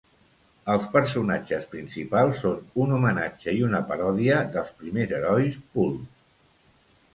Els personatges principals són un homenatge i una paròdia dels primers herois pulp.